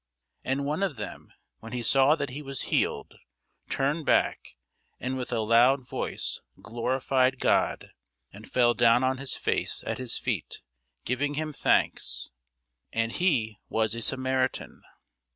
And one of them, when he saw that he was healed, turned back, and with a loud voice glorified God, and fell down on his face at his feet, giving him thanks: and he was a Samaritan.